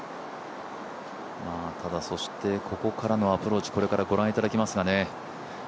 ただそしてここからのアプローチ、ご覧いただけますかね。